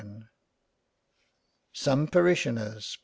47 SOME PARISHIONERS.